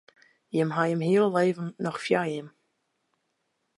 Jimme hawwe jimme hiele libben noch foar jimme.